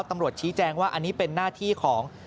ตำรวจชี้แจงว่าอันนี้เป็นหน้าที่ของ